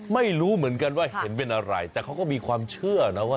ไม่รู้เหมือนกันว่าเห็นเป็นอะไรแต่เขาก็มีความเชื่อนะว่า